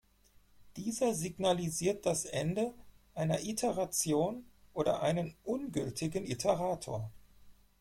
Dieser signalisiert das Ende einer Iteration oder einen ungültigen Iterator.